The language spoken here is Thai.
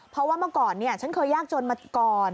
เพราะว่าเมื่อก่อนฉันเคยยากจนมาก่อน